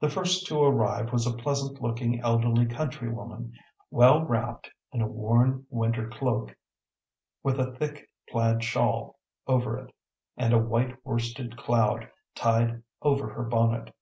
The first to arrive was a pleasant looking elderly countrywoman, well wrapped in a worn winter cloak with a thick plaid shawl over it, and a white worsted cloud tied over her bonnet.